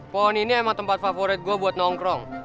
pohon ini emang tempat favorit gue buat nongkrong